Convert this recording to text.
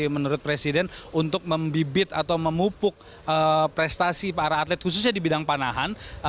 menurut presiden untuk membibit atau memupuk prestasi para atlet khususnya di bidang panahan